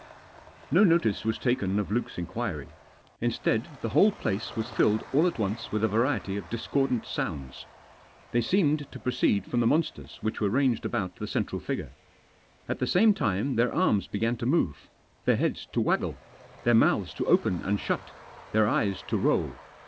No notice was taken of Luke's inquiry. Instead, the whole place was filled all at once with a variety of discordant sounds. They seemed to proceed from the monsters which were ranged about the central figure. At the same time their arms began to move, their heads to waggle, their mouths to open and shut, their eyes to roll.